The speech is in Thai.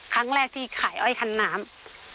ครั้งแรกที่ขายอ้อยคันน้ำ